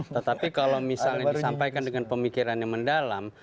tetapi kalau misalnya disampaikan dengan pemikiran yang mendalam